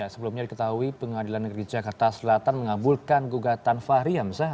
sebelumnya diketahui pengadilan negeri jakarta selatan mengabulkan gugatan fahri hamzah